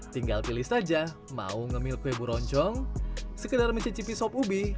tinggal pilih saja mau ngemil kue buroncong sekedar mencicipi sop ubi